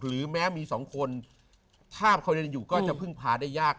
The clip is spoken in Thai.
แม้มีสองคนถ้าเขายังอยู่ก็จะพึ่งพาได้ยาก